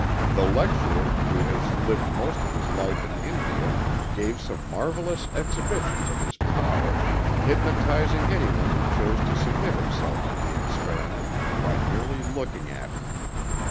The lecturer, who has lived most of his life in India, gave some marvelous exhibitions of his power, hypnotizing anyone who chose to submit himself to the experiment, by merely looking at him.